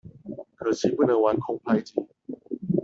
可惜不能玩空拍機